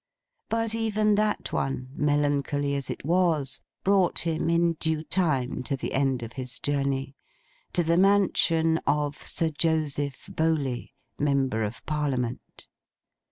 But, even that one, melancholy as it was, brought him, in due time, to the end of his journey. To the mansion of Sir Joseph Bowley, Member of Parliament.